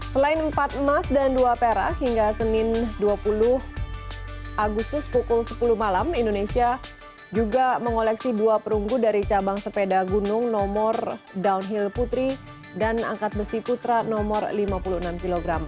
selain empat emas dan dua perak hingga senin dua puluh agustus pukul sepuluh malam indonesia juga mengoleksi dua perunggu dari cabang sepeda gunung nomor downhill putri dan angkat besi putra nomor lima puluh enam kg